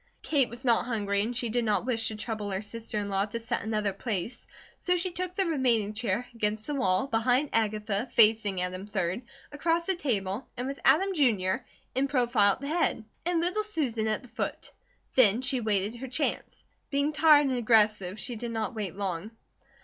Kate was not hungry and she did not wish to trouble her sister in law to set another place, so she took the remaining chair, against the wall, behind Agatha, facing Adam, 3d, across the table, and with Adam Jr., in profile at the head, and little Susan at the foot. Then she waited her chance. Being tired and aggressive she did not wait long.